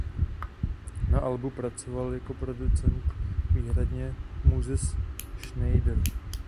Na albu pracoval jako producent výhradně "Moses Schneider".